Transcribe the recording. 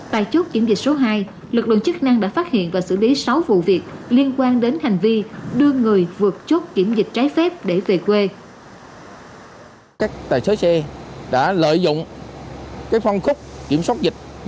tại chốt kiểm dịch số hai lực lượng chức năng đã phát hiện và xử lý sáu vụ việc liên quan đến hành vi